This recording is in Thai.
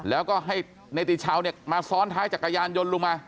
แล้วก็ให้เนติชาวเนี่ยมาซ้อนท้ายจักรยานยนต์ลุงมา